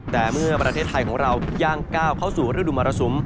แต่เมื่อประเทศไทยของเราย่างก้าวเข้าสู่ฤดูมรสุม